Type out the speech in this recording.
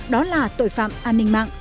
đó là tội phạm an ninh mạng